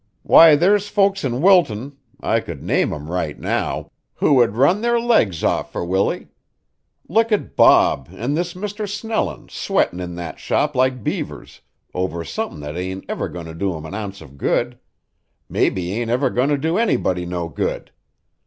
"Why, there's folks in Wilton (I could name 'em right now) who would run their legs off for Willie. Look at Bob an' this Mr. Snellin' sweatin' in that shop like beavers over somethin' that ain't never goin' to do 'em an ounce of good mebbe ain't never goin' to do anybody no good.